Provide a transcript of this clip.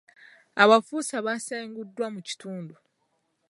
Abafuusa baasenguddwa mu kitundu.